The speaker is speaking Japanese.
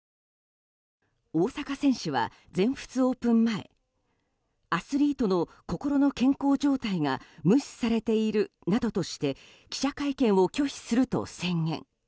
大坂選手は全仏オープン前アスリートの心の健康状態が無視されているなどとして記者会見を拒否すると宣言。